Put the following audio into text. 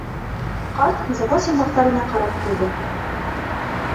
Ҡарт запас йомғаҡтарына ҡарап ҡуйҙы.